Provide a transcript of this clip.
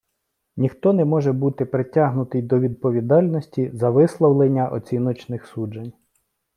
Ніхто не може бути притягнутий до відповідальності за висловлення оціночних суджень.